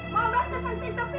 masang togel lebih besar lagi